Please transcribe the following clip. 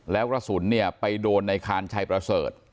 แล้วกระสุนเนี่ยไปโดนในคานชัยประเสริฐ